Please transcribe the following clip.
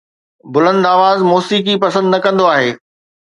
بلند آواز موسيقي پسند نه ڪندو آھي